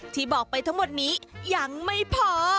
ที่บอกไปทั้งหมดนี้ยังไม่พอ